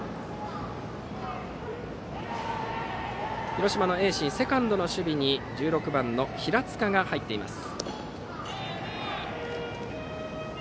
広島の盈進、セカンドの守備に１６番、平塚が入っています。